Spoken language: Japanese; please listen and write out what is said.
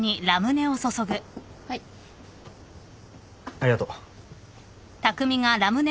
ありがとう。